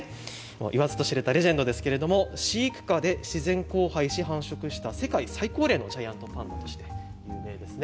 言わずと知れたレジェンドですけれども飼育下で自然交配で繁殖した世界最高齢のパンダという記録を持っているんですね。